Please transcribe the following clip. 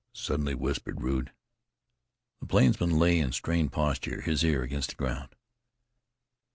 suddenly whispered Rude. The plainsman lay in strained posture, his ear against the ground.